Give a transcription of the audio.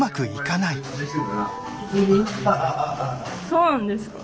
そうなんですか。